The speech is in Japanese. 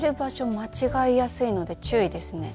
間違いやすいので注意ですね。